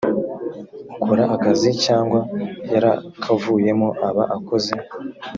ukora akazi cyangwa yarakavuyemo aba akoze